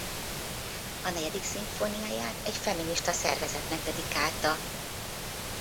A negyedik szimfóniáját egy feminista szervezetnek dedikálta.